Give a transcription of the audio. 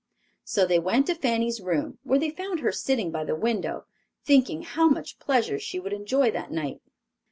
So they went to Fanny's room, where they found her sitting by the window, thinking how much pleasure she would enjoy that night.